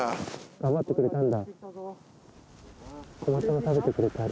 頑張ってくれたんだ。